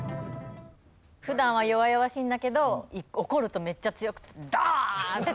普段は弱々しいんだけど怒るとめっちゃ強くてダーン！って。